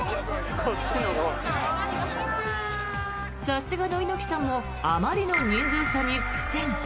さすがの猪木さんもあまりの人数差に苦戦。